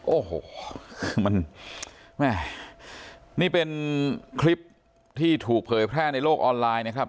โอ้โหมันแม่นี่เป็นคลิปที่ถูกเผยแพร่ในโลกออนไลน์นะครับ